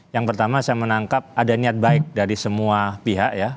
yang pertama saya menangkap ada niat baik dari semua pihak ya